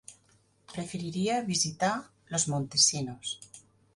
Preferiria visitar Los Montesinos.